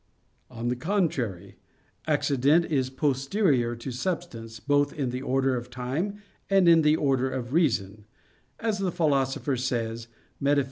On the contrary, Accident is posterior to substance, both in the order of time and in the order of reason, as the Philosopher says, _Metaph.